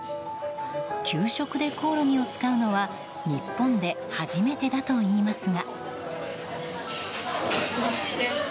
給食でコオロギを使うのは日本で初めてだといいますが。